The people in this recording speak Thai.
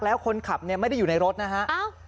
แล้วคนขับเนี่ยไม่ได้อยู่ในรถนะฮะ